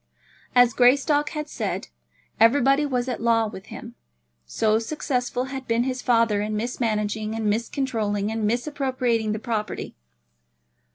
As Greystock had said, everybody was at law with him, so successful had been his father in mismanaging, and miscontrolling, and misappropriating the property.